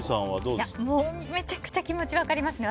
めちゃくちゃ気持ち分かりますね。